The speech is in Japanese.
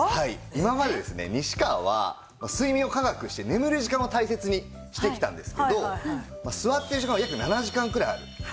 今までですね西川は睡眠を科学して眠る時間を大切にしてきたんですけど座っている時間は約７時間くらいある。